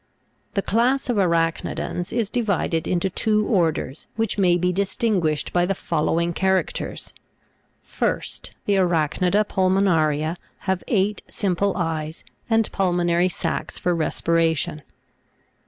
The class of arach'nidans is divided into two orders, which may be distinguished by the following characters : 1st. The ARACH'NIUA PULMONA'RIA have eight simple eyes, and pulmonary sacs for respiration.